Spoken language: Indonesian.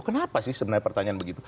kenapa sih sebenarnya pertanyaan begitu